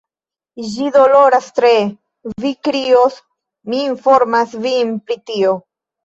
Ĝi doloras tre; vi krios, mi informas vin pri tio.